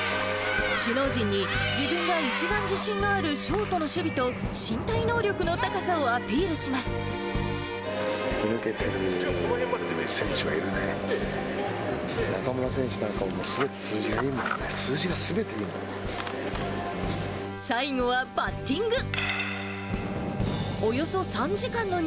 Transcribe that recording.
首脳陣に、自分が一番自信があるショートの守備と、身体能力の高さをアピー飛び抜けてる選手はいるね。